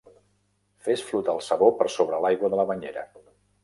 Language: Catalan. Fes flotar el sabó per sobre de l'aigua de la banyera.